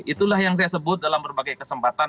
itulah yang saya sebut dalam berbagai kesempatan